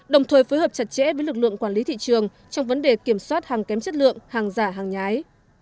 đồng thời phối hợp chặt chẽ với lực lượng quản lý thị trường trong vấn đề kiểm soát hàng kém chất lượng hàng giả hàng nhái